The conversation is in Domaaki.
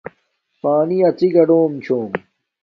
پانی اڅی گاڈم چھوم